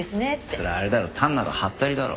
それあれだろ単なるハッタリだろ。